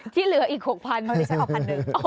ที่เหลืออีก๖๐๐๐บาทเดี๋ยวฉันออก๑๐๐๐บาท